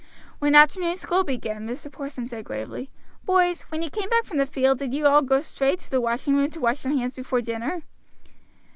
When afternoon school began Mr. Porson said gravely: "Boys, when you came back from the field did you all go straight to the washing room to wash your hands before dinner?"